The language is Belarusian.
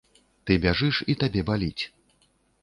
Ты бяжыш, і табе баліць.